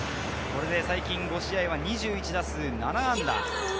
これで最近５試合は２１打数７安打。